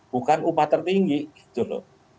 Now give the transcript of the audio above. bukan upah tertinggi gitu loh